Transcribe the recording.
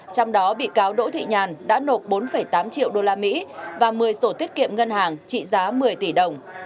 trong đó bị cáo đỗ thị nhàn đã nộp bốn tám triệu usd và một mươi sổ tiết kiệm ngân hàng trị giá một mươi tỷ đồng